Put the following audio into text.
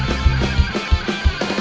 ya yaudah jadi keeper aja ya